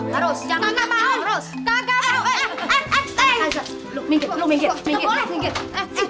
pokoknya juga gak mau